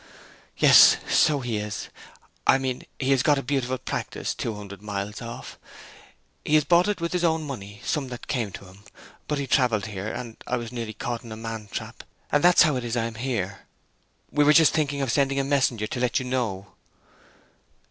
"Yes, so he is—I mean he has got a beautiful practice two hundred miles off; he has bought it with his own money, some that came to him. But he travelled here, and I was nearly caught in a man trap, and that's how it is I am here. We were just thinking of sending a messenger to let you know."